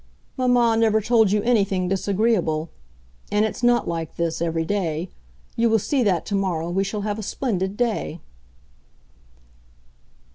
"Mamma never told you anything disagreeable. And it's not like this—every day. You will see that tomorrow we shall have a splendid day."